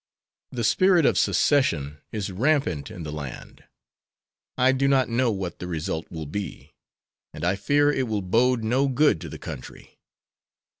The spirit of secession is rampant in the land. I do not know what the result will be, and I fear it will bode no good to the country.